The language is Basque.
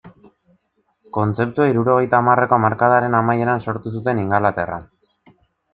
Kontzeptua hirurogeita hamarreko hamarkadaren amaieran sortu zuten Ingalaterran.